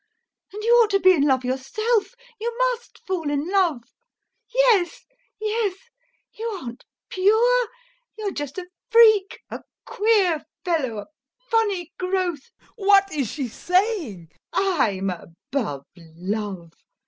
And you ought to be in love yourself, you must fall in love! [Angry] Yes, yes! You aren't pure, you're just a freak, a queer fellow, a funny growth... TROFIMOV. [In horror] What is she saying! LUBOV. "I'm above love!"